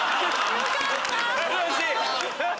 よかった！